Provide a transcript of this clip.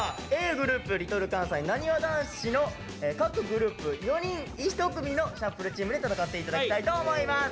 ｇｒｏｕｐＬｉｌかんさいなにわ男子の各グループ４人１組のシャッフルチームで戦って頂きたいと思います。